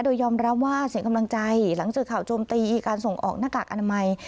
โดยยอมรับว่าเสียงกำลังใจหลังเจอข่าวโจมตีการส่งออกหน้ากากอนามัย